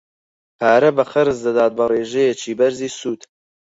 پارە بە قەرز دەدات بە ڕێژەیەکی بەرزی سوود.